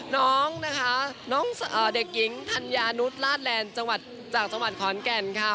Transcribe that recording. น้องนะคะน้องเด็กหญิงธัญญานุษย์ลาดแลนด์จังหวัดจากจังหวัดขอนแก่นค่ะ